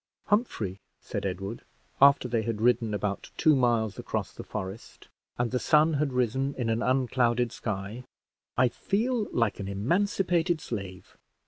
"Humphrey," said Edward, after they had ridden about two miles across the forest, and the sun had risen in an unclouded sky, "I feel like an emancipated slave.